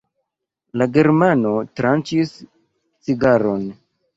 La germano tranĉis cigaron.